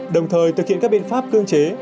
đồng thời thực hiện các biện pháp cương chế